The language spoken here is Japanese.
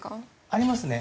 ありますね。